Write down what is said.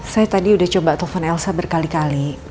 saya tadi udah coba telepon elsa berkali kali